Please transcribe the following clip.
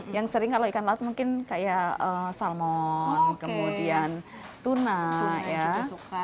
yang sering kalau ikan laut mungkin kayak salmon kemudian tuna ya